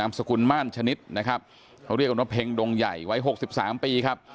สกุลม่านชนิดนะครับเขาเรียกกันว่าเพ็งดงใหญ่ไว้หกสิบสามปีครับ